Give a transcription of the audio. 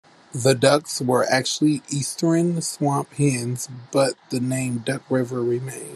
The ducks were actually Eastern Swamp Hens, but the name Duck River remained.